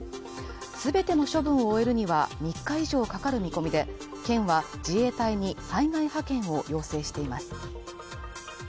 全ての処分を終えるには３日以上かかる見込みで、県は自衛隊に災害派遣を要請しています。